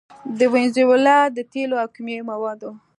د وينزويلا د تېلو او کيمياوي موادو